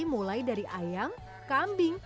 mulai dari ayam kambing